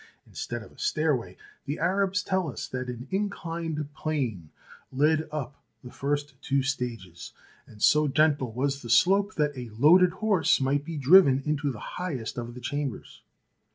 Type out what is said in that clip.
Instead of a stair way, the Arabs tell us that an inclined plane led up the first two stages, and so gentle was the slope that a loaded horse might be driven into the highest of the chambers.